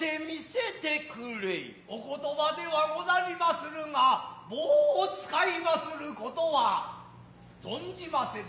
お言葉ではござりまするが棒を使いまする事は存じませぬ。